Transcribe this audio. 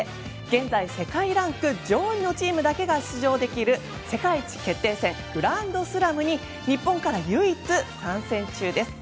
現在、世界ランク上位のチームだけが出場できる世界一決定戦グランドスラムに日本から唯一、参戦中です。